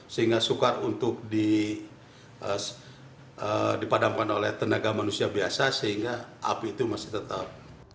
sehingga sukar untuk dipadamkan oleh tenaga manusia biasa sehingga api itu masih tetap